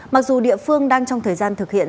mặc dù địa phương đang trong thời gian thực hiện